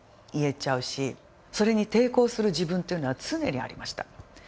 それに抵抗する自分というのは常にありました。